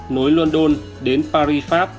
nối london đến paris france